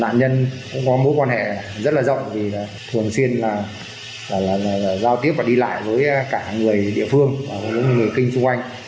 nạn nhân cũng có mối quan hệ rất là rộng vì thường xuyên là giao tiếp và đi lại với cả người địa phương người kinh xung quanh